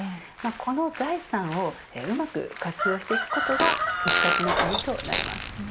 この財産をうまく活用していくことが復活の鍵となります。